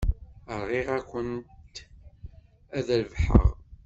Rɣiɣ akken ad rebḥeɣ.